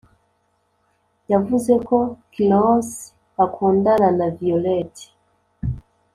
yavuze ko klaus akundana na violette